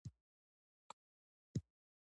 د اکثرو په نظر دوی سم کسان نه وو.